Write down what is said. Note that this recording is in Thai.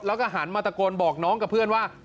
แล้วก็หันมาตะโกนบอกน้องกับเพื่อนว่า